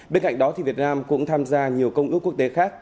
bên cạnh đó việt nam cũng tham gia nhiều công ước quốc tế khác